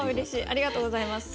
ありがとうございます。